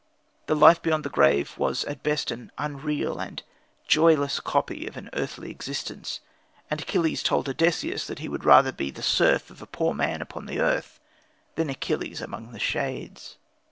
The life beyond the grave was at best an unreal and joyless copy of an earthly existence, and Achilles told Odysseus that he would rather be the serf of a poor man upon earth than Achilles among the shades.